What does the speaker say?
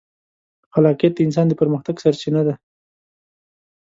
خلاقیت د انسان د پرمختګ سرچینه ده.